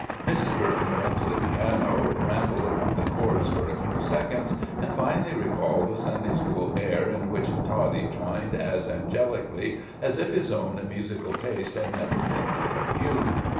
Mrs. Burton went to the piano, rambled among chords for a few seconds, and finally recalled a Sunday school air in which Toddie joined as angelically as if his own musical taste had never been impugned.